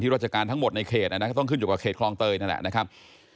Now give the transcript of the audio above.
ราชการทั้งหมดในเขตก็ต้องขึ้นอยู่กับเขตคลองเตยนั่นแหละนะครับ